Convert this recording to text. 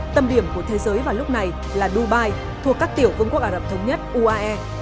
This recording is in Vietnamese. tâm điểm của thế giới vào lúc này là dubai thuộc các tiểu công quốc ả rập thống nhất uae